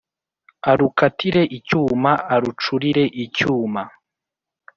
arukatire icyuma: arucurire icyuma